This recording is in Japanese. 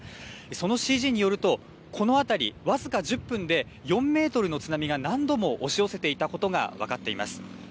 そのＣＧによるとこの辺り、僅か１０分で４メートルの津波が何度も押し寄せていたことが分かっています。